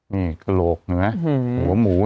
นี่กระโหลกเหนือหัวหมู